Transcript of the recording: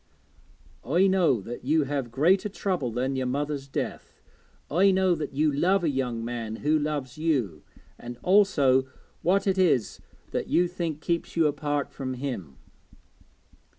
'I know that you have greater trouble than your mother's death. I know that you love a young man who loves you, and also what it is that you think keeps you apart from him.'